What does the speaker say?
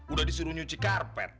udah disuruh nyuci karpet